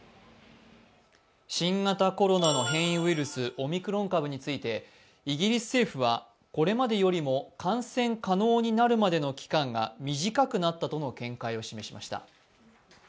新型コロナの変異ウイルス、オミクロン株についてイギリス政府はこれまでよりも感染可能になるまでの期間が短くなったとの見解を示しました。